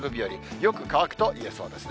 よく乾くといえそうですね。